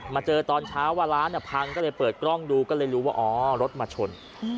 มาเจอตอนเช้าว่าร้านพังก็เลยเปิดกล้องดูก็เลยรู้ว่าอ๋อรถมาชน